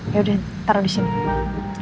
yaudah taruh di sini